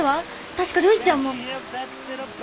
確かるいちゃんも。